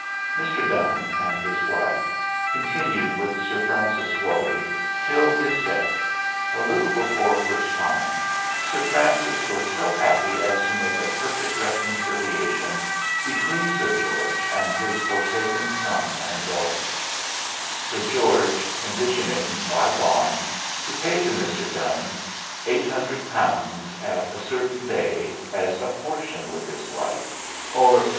Mr. Donne and his wife continued with Sir Francis Wolly till his death: a little before which time Sir Francis was so happy as to make a perfect reconciliation between Sir George and his forsaken son and daughter; Sir George conditioning, by bond, to pay to Mr. Donne 800_l._ at a certain day, as a portion with his wife, or 20_l.